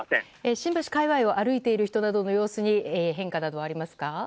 新橋界隈を歩いている人などの様子に変化などはありますか？